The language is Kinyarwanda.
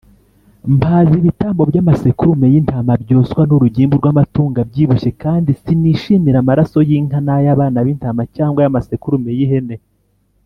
' mpaze ibitambo by’amasekurume y’intama byoswa n’urugimbu rw’amatungo abyibushye, kandi sinishimira amaraso y’inka n’ay’abana b’intama cyangwa ay’amasekurume y’ihene